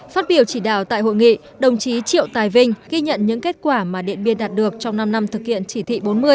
phát biểu chỉ đạo tại hội nghị đồng chí triệu tài vinh ghi nhận những kết quả mà điện biên đạt được trong năm năm thực hiện chỉ thị bốn mươi